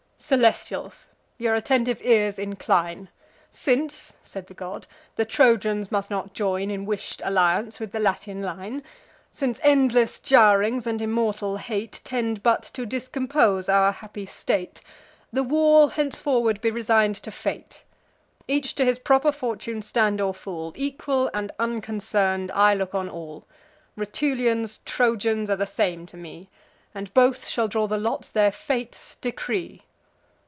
"Celestials, your attentive ears incline! Since," said the god, "the Trojans must not join In wish'd alliance with the Latian line; Since endless jarrings and immortal hate Tend but to discompose our happy state; The war henceforward be resign'd to fate: Each to his proper fortune stand or fall; Equal and unconcern'd I look on all. Rutulians, Trojans, are the same to me; And both shall draw the lots their fates decree.